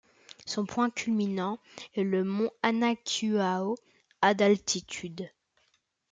Son point culminant est le mont Anacuao, à d'altitude.